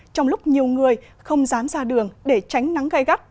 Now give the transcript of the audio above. trong lúc nhiều người không dám ra đường để tránh nắng gai gắt